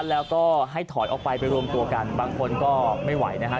แล้วก็ให้ถอยออกไปไปรวมตัวกันบางคนก็ไม่ไหวนะฮะ